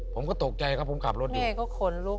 ผมก็ตกใจครับผมขับรถอยู่